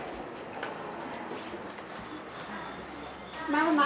ママ！